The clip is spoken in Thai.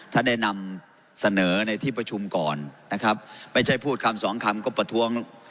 ถ้าได้นำเสนอในที่ประชุมก่อนนะครับไม่ใช่พูดคำสองคำก็ประท้วง